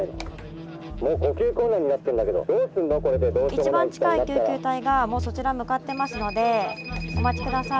一番近い救急隊がもうそちら向かってますのでお待ち下さい。